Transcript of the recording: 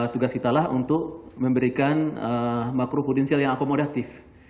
tugas kitalah untuk memberikan makro prudensial yang akomodatif